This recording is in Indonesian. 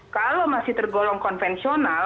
kalau masih tergolong konvensional